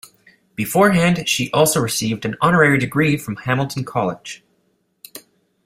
Beforehand, she also received an honorary degree from Hamilton College.